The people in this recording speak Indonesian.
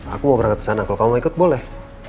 aku mau berangkat kesana kalo kamu mau ikut boleh